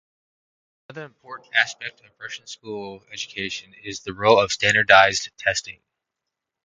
Another important aspect of Russian school education is the role of standardized testing.